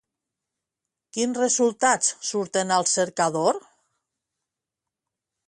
Quins resultats surten al cercador?